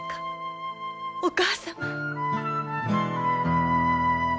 お母様。